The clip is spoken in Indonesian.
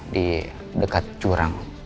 di dekat curang